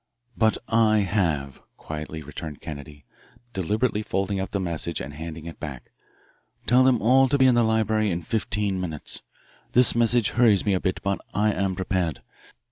"But I have," quietly returned Kennedy, deliberately folding up the message and handing it back. "Tell them all to be in the library in fifteen minutes. This message hurries me a bit, but I am prepared.